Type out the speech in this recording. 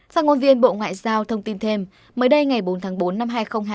sau ngôn viên bộ ngoại giao thông tin thêm mới đây ngày bốn tháng bốn năm hai nghìn hai mươi